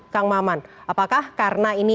kang maman apakah karena ini